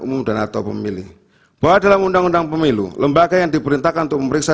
umum dan atau pemilih bahwa dalam undang undang pemilu lembaga yang diperintahkan untuk memeriksa